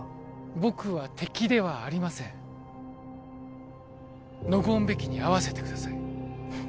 僕は敵ではありませんノゴーン・ベキに会わせてください